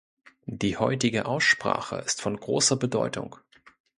Die heutige Aussprache ist von großer Bedeutung.